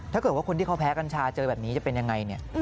ถ้าเกิดว่าคนที่เขาแพ้กัญชาเจอแบบนี้จะเป็นยังไงเนี่ย